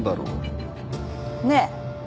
ねえ。